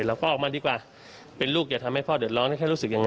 เราก็ออกมาดีกว่าเป็นลูกอย่าทำให้พ่อเดือดร้อนได้แค่รู้สึกอย่างนั้น